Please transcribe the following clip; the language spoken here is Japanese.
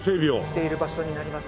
している場所になります。